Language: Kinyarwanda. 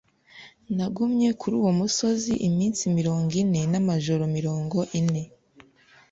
nagumye kuri uwo musozi iminsi mirongo ine n’amajoro mirongo ine